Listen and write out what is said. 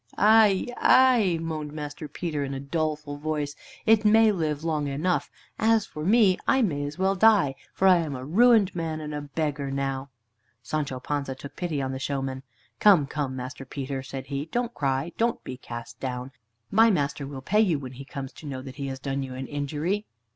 "Ay, ay," moaned Master Peter in a doleful voice, "it may live long enough. As for me, I may as well die, for I am a ruined man and a beggar now." Sancho Panza took pity on the showman. "Come, come! Master Peter," said he, "don't cry. Don't be cast down. My master will pay you when he comes to know that he has done you an injury."